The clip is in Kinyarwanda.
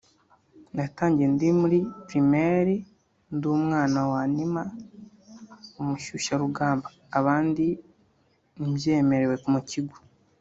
natangiye ndi muri primaire ndi umwana wanima (umushyushyarugamba) abandi mbyemerewe mu kigo